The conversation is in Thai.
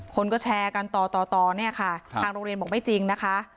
คนก็แชร์กันต่อต่อเนี่ยค่ะทางโรงเรียนบอกไม่จริงนะคะ